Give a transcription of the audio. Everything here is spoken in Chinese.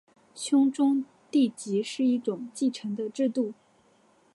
兄终弟及是一种继承的制度。